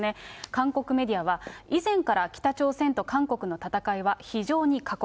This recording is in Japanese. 韓国メディアは、以前から、北朝鮮と韓国の戦いは非常に過酷。